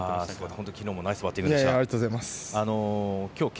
本当に昨日もナイスバッティングでした。